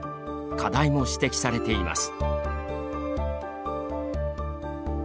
課題も指摘されています。